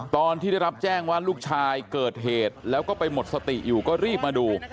ตอนที่ได้รับแจ้งว่าลูกชายเกิดเหตุแล้วก็ไปหมดสติอยู่ก็รีบมาดู